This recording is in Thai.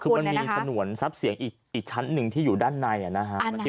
คือมันมีสนวนซับเสียงอีกชั้นหนึ่งที่อยู่ด้านใน